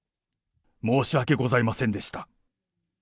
申し訳ございませんでした。